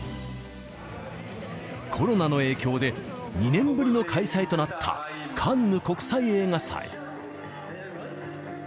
コロナの影響で、２年ぶりの開催となった、カンヌ国際映画祭。